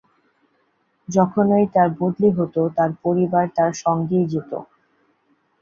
যখনই তাঁর বদলি হত, তাঁর পরিবার তাঁর সঙ্গেই যেত।